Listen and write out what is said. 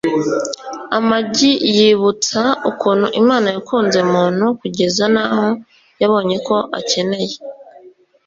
amagi yibutsa ukuntu imana yakunze muntu kugeza n’aho yabonye ko akeneye